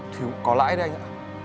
thì cũng có lãi đấy anh ạ